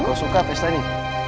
kau suka pesta ini